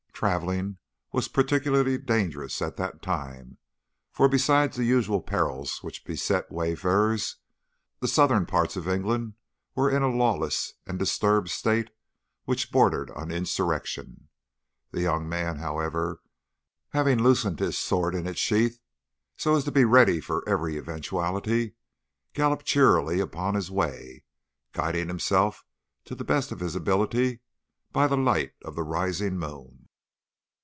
Travelling was particularly dangerous at that time, for besides the usual perils which beset wayfarers, the southern parts of England were in a lawless and disturbed state which bordered on insurrection. The young man, however, having loosened his sword in his sheath, so as to be ready for every eventuality, galloped cheerily upon his way, guiding himself to the best of his ability by the light of the rising moon.